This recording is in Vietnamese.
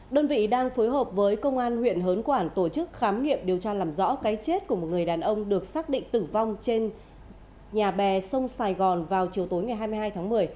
đơn vị đang phối hợp với công an huyện hớn quản tổ chức khám nghiệm điều tra làm rõ cái chết của một người đàn ông được xác định tử vong trên nhà bè sông sài gòn vào chiều tối ngày hai mươi hai tháng một mươi